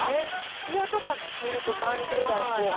ツヤとか見ると３０代後半。